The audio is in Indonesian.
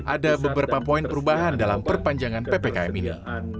ada beberapa poin perubahan dalam perpanjangan ppkm ini